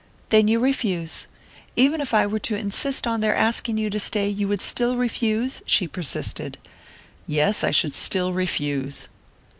"Then you refuse? Even if I were to insist on their asking you to stay, you would still refuse?" she persisted. "Yes I should still refuse."